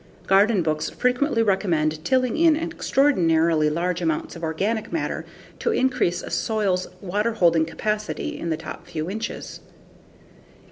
Garden books frequently recommend tilling in extraordinarily large amounts of organic matter to increase a soil's water holding capacity in the top few inches.